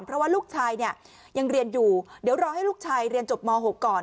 เพราะว่าลูกชายเนี่ยยังเรียนอยู่เดี๋ยวรอให้ลูกชายเรียนจบม๖ก่อน